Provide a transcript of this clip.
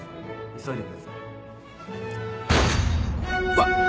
急いでくださいわっ！